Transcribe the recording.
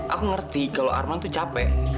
aku ngerti kalau arman tuh capek